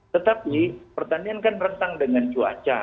tetapi pertanian kan rentang dengan cuaca